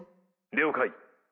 了解！